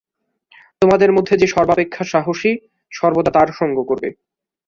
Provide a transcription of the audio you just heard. তোমাদের মধ্যে যে সর্বাপেক্ষা সাহসী, সর্বদা তার সঙ্গ করবে।